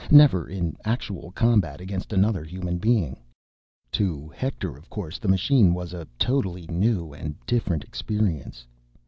Never in actual combat against another human being. To Hector, of course, the machine was a totally new and different experience.